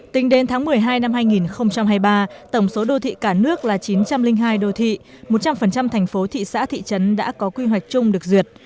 tính đến tháng một mươi hai năm hai nghìn hai mươi ba tổng số đô thị cả nước là chín trăm linh hai đô thị một trăm linh thành phố thị xã thị trấn đã có quy hoạch chung được duyệt